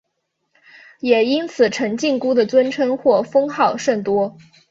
也因此陈靖姑的尊称或封号甚多。